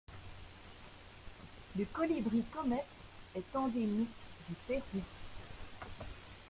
Le Colibri comète est endémique du Pérou.